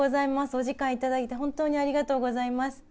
お時間いただいて、本当にありがとうございます。